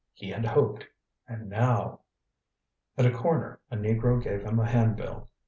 He had hoped and now At a corner a negro gave him a handbill.